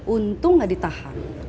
untung gak ditahan